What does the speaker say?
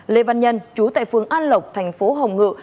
lê văn nhân chú tại phường an lộc tp hồng ngự